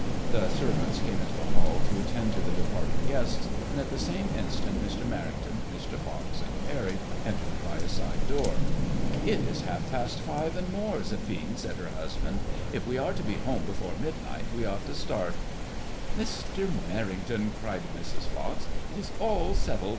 The servants came into the hall to attend to the departing guests, and at the same instant Mr. Merrington, Mr. Fox and Parry entered by a side door. It is half past five and more, Zephine/' said her husband ;if we are to be home before mid night, we ought to start." "Mr. Merrington," cried Mrs. Pox, "it is all settled.